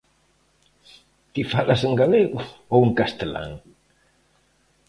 Ti falas en galego ou en castelán?